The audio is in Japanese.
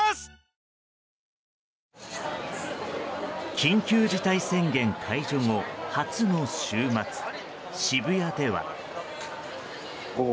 緊急事態宣言解除後、初の週末渋谷では。